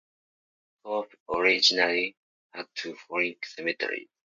Kobe originally had two foreign cemeteries.